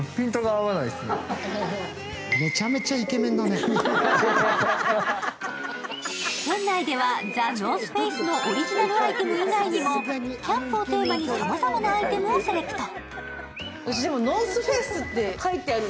店内ではＴＨＥＮＯＲＴＨＦＡＣＥのオリジナルアイテム以外にもキャンプをテーマにさまざまなアイテムをセレクト。